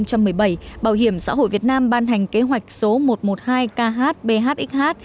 ngày một mươi tháng một năm hai nghìn một mươi bảy bảo hiểm xã hội việt nam ban hành kế hoạch số một trăm một mươi hai khbhxh